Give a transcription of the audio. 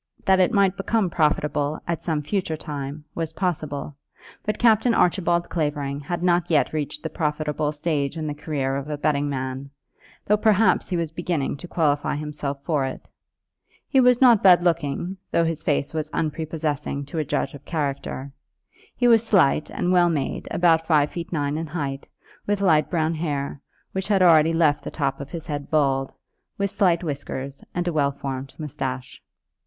That it might become profitable at some future time, was possible; but Captain Archibald Clavering had not yet reached the profitable stage in the career of a betting man, though perhaps he was beginning to qualify himself for it. He was not bad looking, though his face was unprepossessing to a judge of character. He was slight and well made, about five feet nine in height, with light brown hair, which had already left the top of his head bald, with slight whiskers, and a well formed moustache.